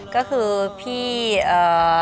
ก็คือพี่เอ่อ